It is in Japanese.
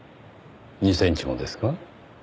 ２センチもですか？